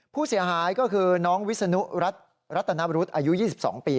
ผู้เสียหายก็คือน้องวิศนุรัตนบรุษอายุ๒๒ปี